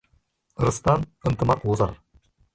ырыстан ынтымақ озар.